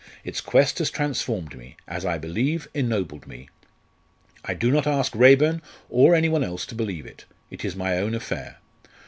Its quest has transformed me as I believe, ennobled me. I do not ask Raeburn or any one else to believe it. It is my own affair.